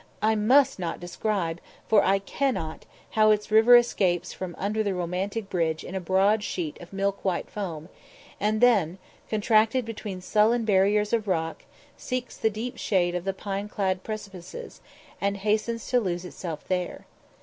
I must not describe, for I cannot, how its river escapes from under the romantic bridge in a broad sheet of milk white foam, and then, contracted between sullen barriers of rock, seeks the deep shade of the pine clad precipices, and hastens to lose itself there.